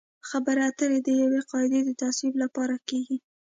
خبرې اترې د یوې قاعدې د تصویب لپاره کیږي